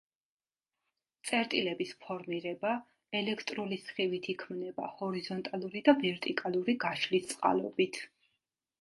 წერტილების ფორმირება ელექტრული სხივით იქმნება ჰორიზონტალური და ვერტიკალური გაშლის წყალობით.